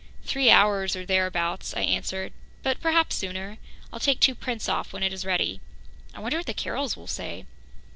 "Three hours or thereabouts," I answered, "but perhaps sooner. I'll take two prints off when it is ready. I wonder what the Carrolls will say."